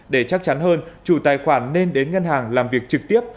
để chắc chắn hơn chủ tài khoản nên đến ngân hàng làm việc trực tiếp